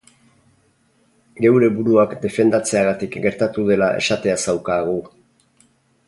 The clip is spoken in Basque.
Geure buruak defendatzeagatik gertatu dela esatea zaukaagu.